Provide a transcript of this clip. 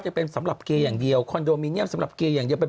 จะเป็นสำหรับเกย์อย่างเดียวคอนโดมิเนียมสำหรับเกย์อย่างเดียวเป็น